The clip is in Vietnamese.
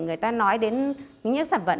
người ta nói đến những sản phẩm